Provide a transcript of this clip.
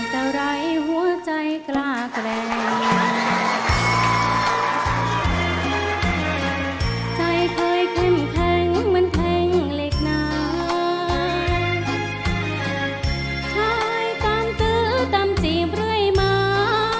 ใจเคยเข้มแข็งเหมือนแข็งเล็กน้ำใช้ตามตื้อตามจีบเรื่อยมา